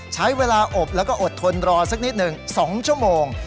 ใช้เวลาอบแล้วก็อดทนรอสักนิดหนึ่ง๒ชั่วโมง